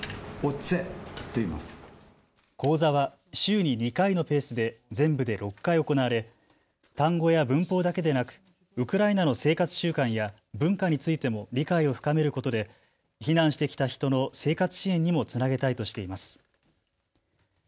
講座は週に２回のペースで全部で６回行われ単語や文法だけでなくウクライナの生活習慣や文化についても理解を深めることで避難してきた人の生活支援にもつなげたいとしています。